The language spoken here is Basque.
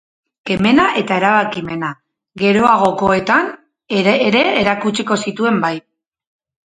Kemena eta erabakimena geroagokoetan era erakutsiko zituen, bai.